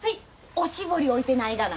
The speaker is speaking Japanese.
おしぼり置いてないがな。